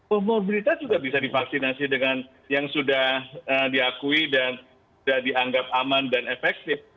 kita juga bisa divaksinasi dengan yang sudah diakui dan dianggap aman dan efektif